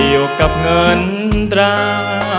อยู่กับเงินตรา